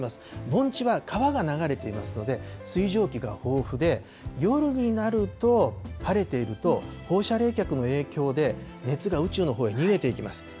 盆地は川が流れていますので、水蒸気が豊富で、夜になると晴れていると、放射冷却の影響で熱が宇宙のほうへ逃げていきます。